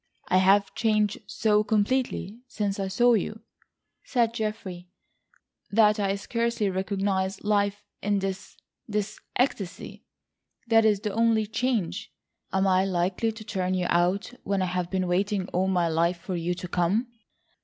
"I have changed so completely since I saw you," said Geoffrey, "that I scarcely recognise life in this—this ecstasy. That is the only change. Am I likely to turn you out when I have been waiting all my life for you to come?"